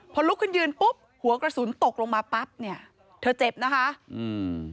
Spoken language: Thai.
พอลุกขึ้นยืนปุ๊บหัวกระสุนตกลงมาปั๊บเนี่ยเธอเจ็บนะคะอืม